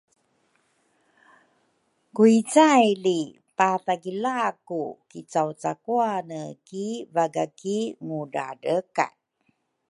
ku icaily pathagilaku kicawcakwane ki vaga ki ngudradrekay.